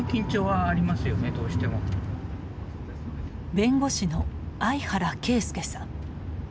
弁護士の相原啓介さん。